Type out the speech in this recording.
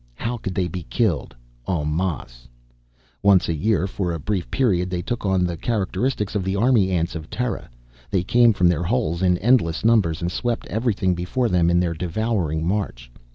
How could they be killed, en masse? Once a year, for a brief period, they took on the characteristics of the army ants of Terra. They came from their holes in endless numbers and swept everything before them in their devouring march.